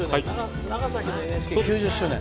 長崎のＮＨＫが９０周年。